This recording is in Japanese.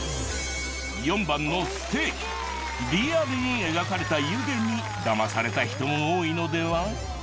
４番のリアルに描かれた湯気にだまされた人も多いのでは？